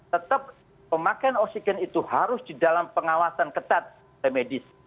tetap pemakaian oksigen itu harus di dalam pengawasan ketat oleh medis